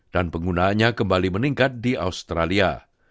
dan penggunaannya kembali meningkat di australia